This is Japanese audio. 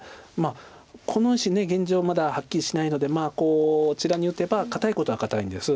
この石現状まだはっきりしないのでこちらに打てば堅いことは堅いんです。